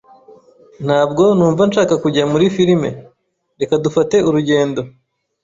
Ntabwo numva nshaka kujya muri firime. Reka dufate urugendo.